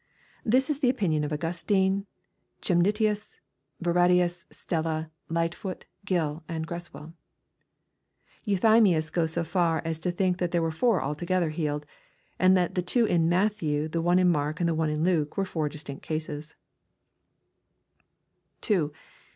This is the opinion of Augustine, Chemnitius, Barradius, Stella, Lightfoot, Gill, and Greswell. — ^Euthymius goes so far as to think that there were four altogether healed, and that the two in Matthew, the one in Mark, and the one in Luke, were four distinct cases I (2.)